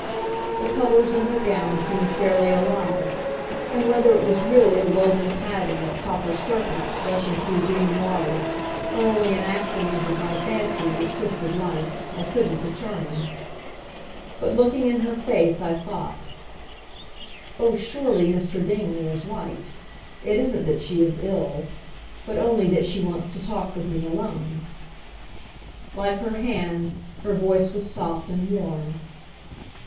The colors in her gown seemed fairly alive, and whether it was really a woven pattern of copper serpents rushing through green water, or only an accident of my fancy and the twisted lights, I couldn't determine. But, looking in her face, I thought, "Oh, surely Mr. Dingley is right. It isn't that she is ill, but only that she wants to talk with me alone." Like her hand, her voice was soft and warm.